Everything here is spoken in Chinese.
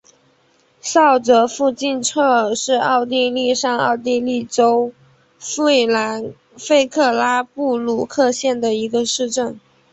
沼泽附近策尔是奥地利上奥地利州弗克拉布鲁克县的一个市镇。